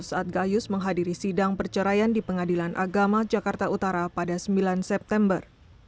saat gayus menghadiri sidang perceraian di pengadilan agama jakarta utara pada sembilan september